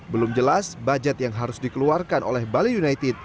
belum jelas budget yang harus dikeluarkan oleh bali united